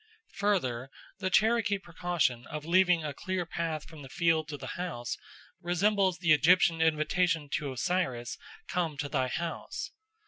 Further, the Cherokee precaution of leaving a clear path from the field to the house resembles the Egyptian invitation to Osiris, "Come to thy house."